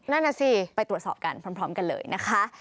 นั่นน่ะสิไปตรวจสอบกันพร้อมกันเลยนะคะ